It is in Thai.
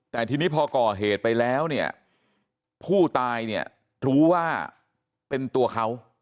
แต่ทีนี้พอก่อเหตุไปแล้วเนี่ยผู้ตายเนี่ยรู้ว่าเป็นตัวเขา